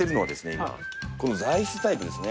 今この座椅子タイプですね。